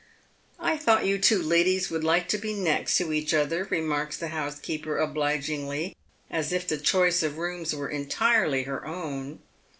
" I thought you two ladies would like to be next each other," remarks the housekeeper obligingly, as if the choice of the rooms were entirely her own.